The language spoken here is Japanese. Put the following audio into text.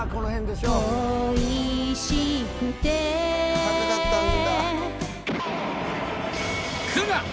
高かったんだ。